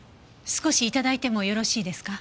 少し頂いてもよろしいですか？